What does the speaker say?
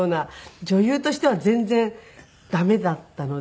女優としては全然駄目だったので。